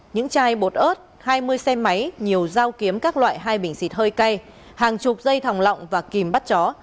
những chai bột ớt hai mươi xe máy nhiều dao kiếm các loại hai bình xịt hơi cay hàng chục dây thòng lọng và kìm bắt chó